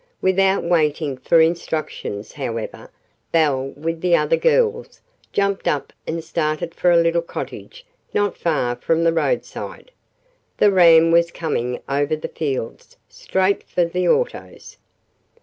Without waiting for instructions, however, Belle, with the other girls, jumped up and started for a little cottage not far from the roadside. The ram was coming over the fields straight for the autos.